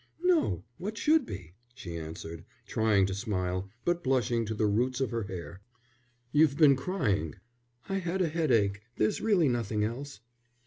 "No, what should be?" she answered, trying to smile, but blushing to the roots of her hair. "You've been crying." "I had a headache. There's really nothing else."